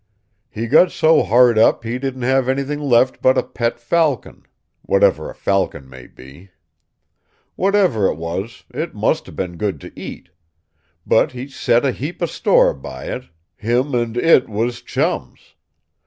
He got so hard up he didn't have anything left but a pet falcon. Whatever a falcon may be. Whatever it was, it must'a been good to eat. But he set a heap of store by it. Him and it was chums.